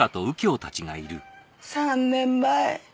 ３年前。